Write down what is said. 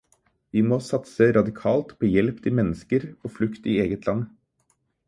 Vi må satse radikalt på hjelp til mennesker på flukt i eget land.